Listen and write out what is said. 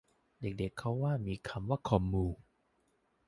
เด็กเด็กเค้ามีคำว่าคอมมู